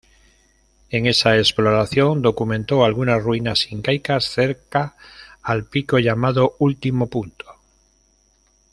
En esa exploración documentó algunas ruinas incaicas cerca al pico llamado Último Punto.